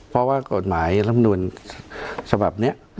เพราะว่ากฏหมายรับมานินทรัพย์แบบนี้